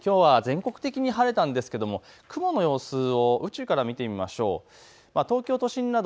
きょうは全国的に晴れたんですけれども、雲の様子、宇宙から見てみましょう。